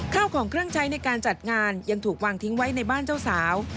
ข้าวของเครื่องใช้ในการจัดงานยังถูกวางทิ้งไว้ในบ้านเจ้าสาว